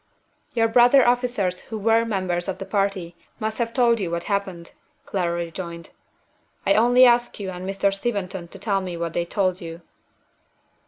"Your brother officers who were members of the party must have told you what happened," Clara rejoined. "I only ask you and Mr. Steventon to tell me what they told you."